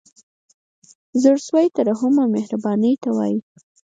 زړه سوی ترحم او مهربانۍ ته وايي.